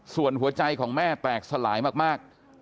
ส่วนหัวใจของแม่แตกสลายมาก